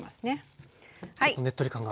ちょっとねっとり感が。